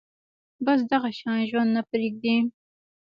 بس دغه شان ژوند نه پرېږدي